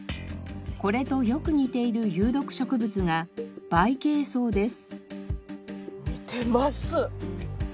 これとよく似ている有毒植物がバイケイソウです。